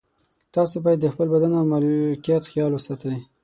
تاسو باید د خپل بدن او ملکیت خیال وساتئ.